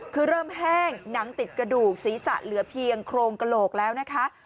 คือเริ่มแห้งหนังติดกระดูกศีรษะเหลือเพียงโครงกระโหลกแล้วนะคะ